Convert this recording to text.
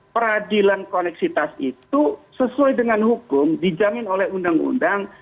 peradilan koneksitas itu sesuai dengan hukum dijamin oleh undang undang